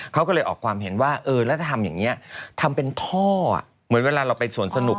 เขาก็เลยออกความเห็นว่าเออแล้วถ้าทำอย่างนี้ทำเป็นท่อเหมือนเวลาเราไปสวนสนุก